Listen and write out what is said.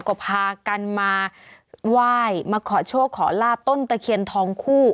ก็พากันมาไหว้มาขอโชคขอลาบต้นตะเคียนทองคู่